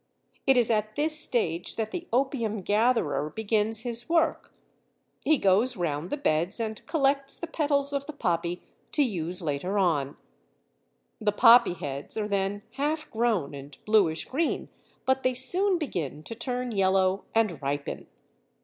It is at this stage that the opium gatherer begins his work; he goes round the beds and collects the petals of the poppy to use later on (see p. 304). The poppy heads are then half grown and bluish green, but they soon begin to turn yellow and ripen.